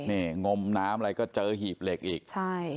นี่งมน้ำอะไรก็เจอหีบเหล็กอีกใช่